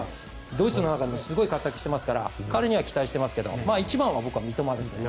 ドイツの中でもすごい活躍していますから彼には期待していますが一番は三笘ですね。